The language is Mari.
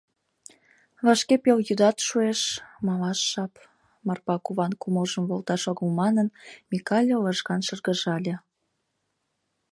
— Вашке пелйӱдат шуэш, малаш жап, — Марпа куван кумылжым волташ огыл манын, Микале лыжган шыргыжале.